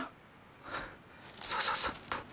ハさささっと。